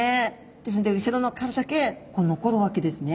ですので後ろの殻だけ残るわけですね。